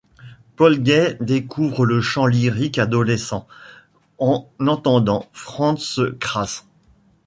Paul Gay découvre le chant lyrique adolescent, en entendant Franz Crass.